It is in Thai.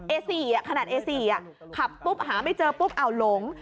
เอสี่อ่ะขนาดเอสี่อ่ะขับปุ๊บหาไม่เจอปุ๊บเอาหลง